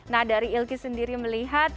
nah dari ilky sendiri melihat